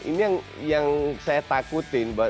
ini yang saya takutin